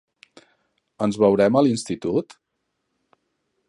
Ens veurem a l'institut?